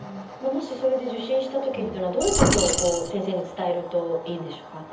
もしそれで受診したときっていうのはどういうことを先生に伝えるといいんでしょうか？